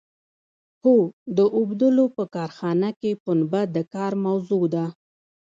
هو د اوبدلو په کارخانه کې پنبه د کار موضوع ده.